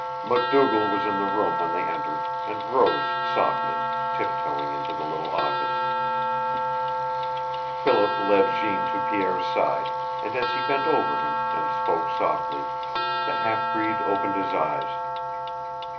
MacDougall was in the room when they entered, and rose softly, tiptoeing into the little office. Philip led Jeanne to Pierre's side, and as he bent over him, and spoke softly, the half breed opened his eyes.